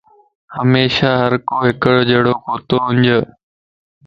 ھميشا ھر ڪو ھڪ جھڙوڪو توھونج